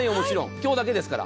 今日だけですから。